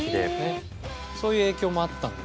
そういう影響もあったんだよね。